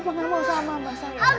aku gak mau sama mama